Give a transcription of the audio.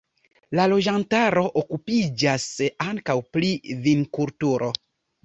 La loĝantaro okupiĝas ankaŭ pri vinkulturo.